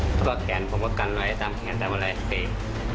เขาก็แกนผมก็กันไว้ตามแขนตามไว้เตะ